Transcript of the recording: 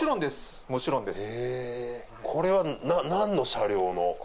もちろんです。